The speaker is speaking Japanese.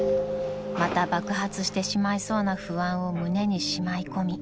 ［また爆発してしまいそうな不安を胸にしまい込み］